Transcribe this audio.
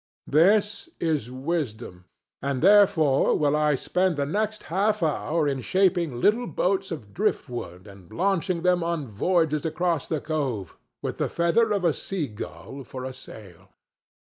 This is wisdom, and therefore will I spend the next half hour in shaping little boats of driftwood and launching them on voyages across the cove, with the feather of a sea gull for a sail.